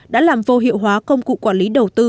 đã làm vô hiệu hóa công cụ quản lý đầu tư